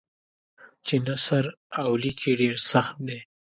چې نثر او لیک یې ډېر سخت دی.